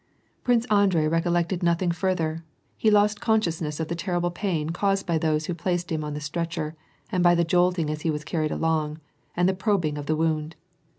Prince Andrei recollected nothing farther; he lost con sciousness of the terrible pain caused by those who placed him oa the stretcher, and by the jolting as he was carried along, ttd the probing of the wound.